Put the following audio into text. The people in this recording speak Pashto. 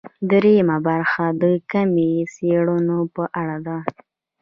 درېیمه برخه د کمي څېړنو په اړه ده.